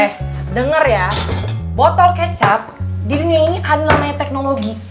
eh denger ya botol kecap di dunia ini adalah teknologi